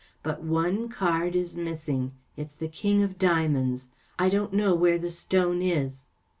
But one card is missing. It's the King of Diamonds. I don't know where the stone is.